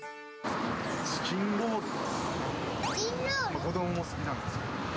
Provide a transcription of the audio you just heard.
子どもも好きなんです。